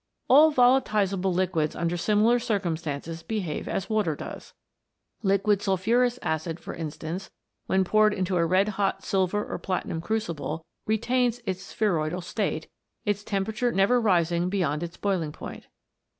All volatizable liquids under similar circum stances behave as water does. Liquid sulphurous acid, for instance, when poured into a red hot silver or platinum crucible, retains its spheroidal state ; its temperature never rising beyond its boiling point.